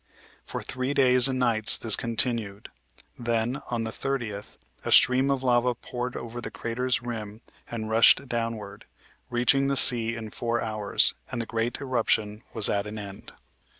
For three days and nights this continued; then, on the 30th, a stream of lava poured over the crater's rim and rushed downward, reaching the sea in four hours, and the great eruption was at an end.